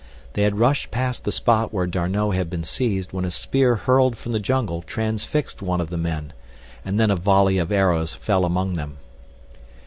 They had rushed past the spot where D'Arnot had been seized when a spear hurled from the jungle transfixed one of the men, and then a volley of arrows fell among them.